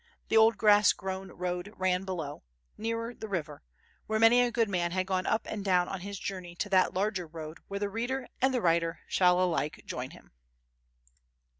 The old grass grown road ran below, nearer the river, where many a good man had gone up and down on his journey to that larger road where the reader and the writer shall alike join him.